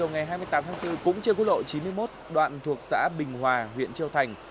ngày hai mươi tám tháng bốn cũng trên quốc lộ chín mươi một đoạn thuộc xã bình hòa huyện châu thành